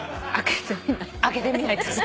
開けてみないとね。